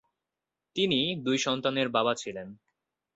তিনি দুই সন্তানের বাবা ছিলেন।